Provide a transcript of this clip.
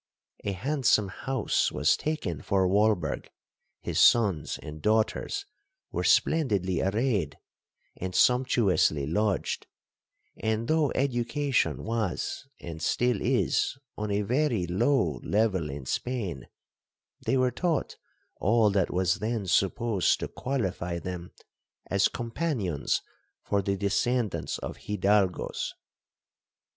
A handsome house was taken for Walberg,—his sons and daughters were splendidly arrayed, and sumptuously lodged; and, though education was, and still is, on a very low level in Spain, they were taught all that was then supposed to qualify them as companions for the descendants of Hidalgoes.